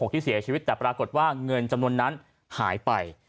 ที่เสียชีวิตแต่ปรากฏว่าเงินจำนวนนั้นหายไป